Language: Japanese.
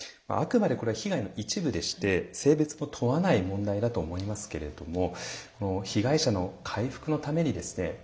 あくまでこれは被害の一部でして性別も問わない問題だと思いますけれども被害者の回復のためにですね